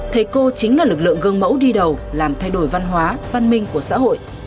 thầy cô chính là lực lượng gương mẫu đi đầu làm thay đổi văn hóa văn minh của xã hội